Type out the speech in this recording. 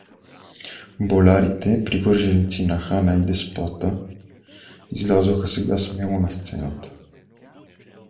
Болярите, привърженици на хана и деспота, излязоха сега смело на сцената.